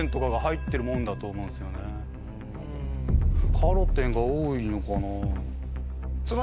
カロテンが多いのかな。